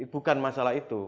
bukan masalah itu